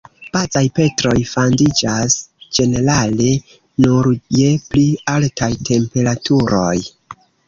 Bazaj petroj fandiĝas ĝenerale nur je pli altaj temperaturoj.